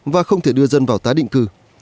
và không thể đưa dân vào tái định cư